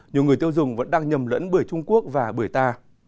nhiều người tiêu dùng vẫn đang nhầm lẫn bưởi trung quốc và bưởi ta